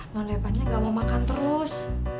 non repa nya gak mau makan terus